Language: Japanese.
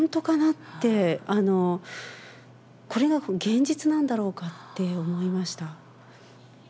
って、これが現実なんだろうかって思いました。